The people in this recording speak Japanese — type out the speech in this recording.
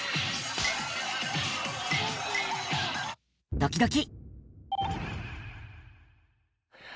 ドキドキ。